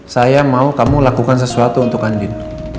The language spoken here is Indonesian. saya mau kamu lakukan sesuatu untuk andin